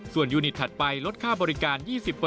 ส่วนยูนิตถัดไปลดค่าบริการ๒๐